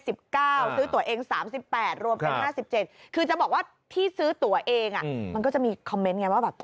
ซื้อตัวเอง๓๘รวมเป็น๕๗คือจะบอกว่าที่ซื้อตัวเองมันก็จะมีคอมเมนต์ไงว่าแบบ